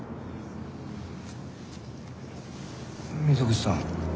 溝口さん